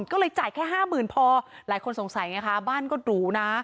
ก็เลยจ่ายแค่ห้าหมื่นพอหลายคนสงสัยไงคะบ้านก็หรูนะ